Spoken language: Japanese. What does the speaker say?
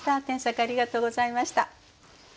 添削ありがとうございました。